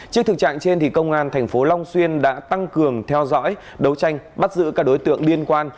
trước thực trạng trên công an thành phố long xuyên đã tăng cường theo dõi đấu tranh bắt giữ các đối tượng liên quan